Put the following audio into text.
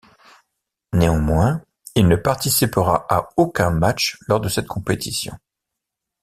Néanmoins, il ne participera à aucun match lors de cette compétition.